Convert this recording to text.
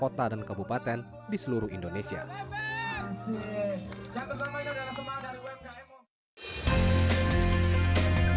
pesta rakyat simpedes ini merupakan yang ketiga kalinya digelar bri di tahun dua ribu dua puluh tiga